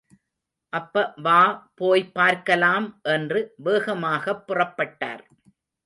அப்ப வா போய் பார்க்கலாம் என்று வேகமாகப் புறப்பட்டார்.